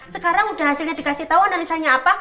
sekarang udah hasilnya dikasih tahu analisanya apa